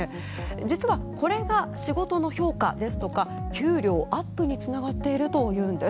実はこれが仕事の評価ですとか給料アップにつながっているというんです。